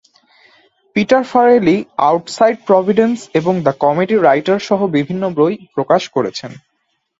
Peter Farrelly "Outside Providence" এবং "The Comedy Writer" সহ বিভিন্ন বই প্রকাশ করেছেন।